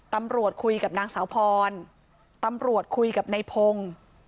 ตำรวจคุยกับนางสาวพรตำรวจคุยกับนายพงศ์